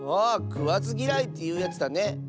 あくわずぎらいというやつだね。